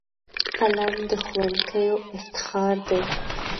قلم د ښوونکیو افتخار دی